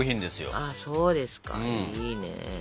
そうですかいいね。